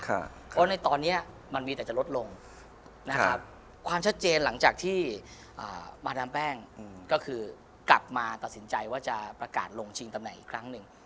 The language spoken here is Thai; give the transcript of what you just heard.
เพราะในตอนนี้มันมีแต่จะลดลงนะครับความชัดเจนหลังจากที่มาดามแป้งก็คือกลับมาตัดสินใจว่าจะประกาศลงชิงตำแหน่งอีกครั้งหนึ่ง